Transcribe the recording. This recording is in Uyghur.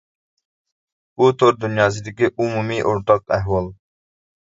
بۇ تور دۇنياسىدىكى ئومۇمىي، ئورتاق ئەھۋال.